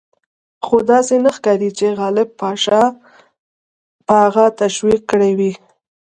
خو داسې نه ښکاري چې غالب پاشا به هغه تشویق کړی وي.